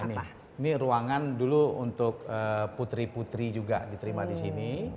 ini ruangan dulu untuk putri putri juga diterima disini